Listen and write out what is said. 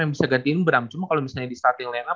yang bisa gantiin abraham cuma kalau misalnya di starting lineup